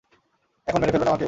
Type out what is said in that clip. এখন মেরে ফেলবেন আমাকে?